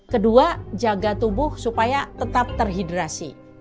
kedua jaga tubuh supaya tetap terhidrasi